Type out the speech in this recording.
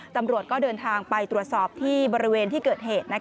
ตำรวจก็เดินทางไปตรวจสอบที่บริเวณที่เกิดเหตุ